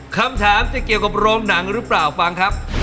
คำถามจะเกี่ยวกับโรงหนังหรือเปล่าฟังครับ